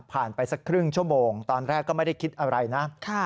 ไปสักครึ่งชั่วโมงตอนแรกก็ไม่ได้คิดอะไรนะ